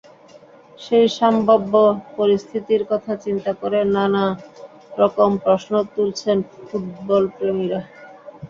সেই সম্ভাব্য পরিস্থিতির কথা চিন্তা করে নানা রকম প্রশ্ন তুলছেন ফুটবলপ্রেমীরা।